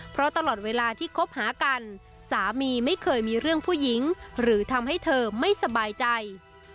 เพราะตลอดเวลาที่คบหากันสามีไม่เคยมีเรื่องผู้หญิงหรือทำให้เธอไม่สบายใจ